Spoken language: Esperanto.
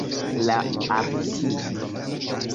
La artisto